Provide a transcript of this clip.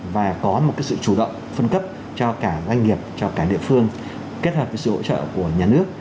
và có một sự chủ động phân cấp cho cả doanh nghiệp cho cả địa phương kết hợp với sự hỗ trợ của nhà nước